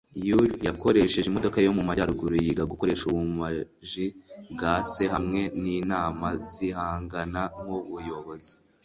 Yully yakoresheje imodoka yo mumajyaruguru yiga gukoresha ubumaji bwa se hamwe ninama zihangana nkubuyobozi.